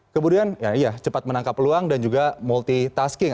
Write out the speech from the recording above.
kemudian ya cepat menangkap peluang dan juga multitasking